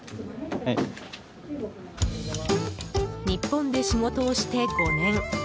日本で仕事をして５年。